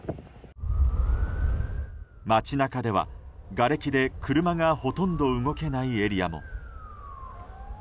街中では、がれきで車がほとんど動けないエリアも。